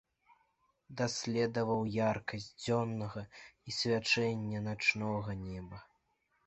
Даследаваў яркасць дзённага і свячэнне начнога неба.